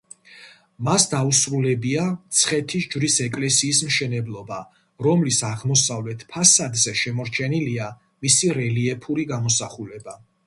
მას დაუსრულებია მცხეთის ჯვრის ეკლესიის მშენებლობა, რომლის აღმოსავლეთ ფასადზე შემორჩენილია მისი რელიეფური გამოსახულება.